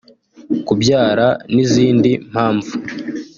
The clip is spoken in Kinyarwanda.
kubyara n’izindi mpamvu